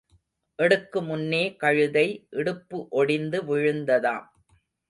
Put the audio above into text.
எடுக்கு முன்னே கழுதை இடுப்பு ஒடிந்து விழுந்ததாம்.